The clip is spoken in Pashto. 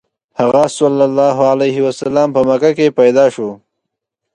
هغه ﷺ په مکه کې پیدا شو.